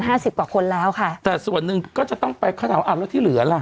สิบกว่าคนแล้วค่ะแต่ส่วนหนึ่งก็จะต้องไปเขาถามว่าอ้าวแล้วที่เหลือล่ะ